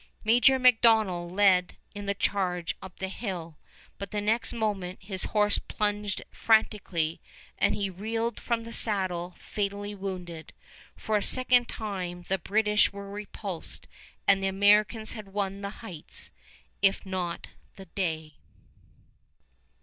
Major Macdonnell led in the charge up the hill, but the next moment his horse plunged frantically, and he reeled from the saddle fatally wounded. For a second time the British were repulsed, and the Americans had won the Heights, if not the day.